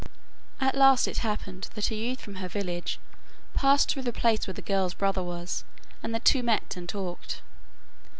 At last it happened that a youth from her village passed through the place where the girl's brother was, and the two met and talked.